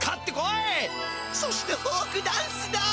そしてフォークダンスだ！